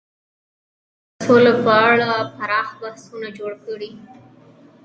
ازادي راډیو د سوله په اړه پراخ بحثونه جوړ کړي.